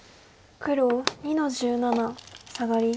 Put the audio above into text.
黒２の十七サガリ。